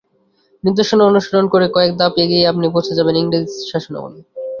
নির্দেশনা অনুসরণ করে কয়েক ধাপ এগিয়ে আপনি পৌঁছে যাবেন ইংরেজ শাসনামলে।